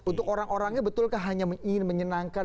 untuk orang orangnya betulkah hanya ingin menyenangkan